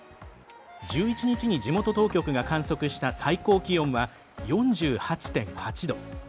１１日に地元当局が観測した最高気温は４８．８度。